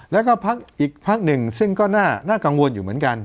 แล้วก็พักอีกพักหนึ่งซึ่งก็น่ากังวลอยู่เหมือนกัน